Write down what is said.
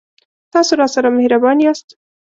تاسو راسره مهربان یاست